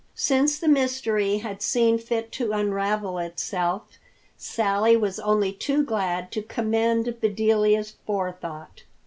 Since the mystery had seen fit to unravel itself, Sally was only too glad to commend Bedelia's forethought.